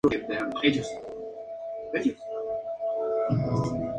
Finalmente llegarían las presentaciones hasta el sur del país, como Tierra del Fuego.